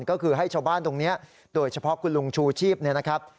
ก็คือให้ชาวบ้านตรงนี้โดยเฉพาะคุณลุงชูชีพเนี่ยนะครับ